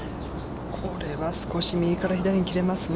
これは、少し右から左に切れますね。